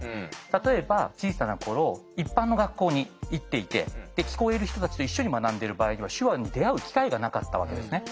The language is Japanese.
例えば小さな頃一般の学校に行っていて聞こえる人たちと一緒に学んでる場合には手話に出会う機会がなかったわけですね。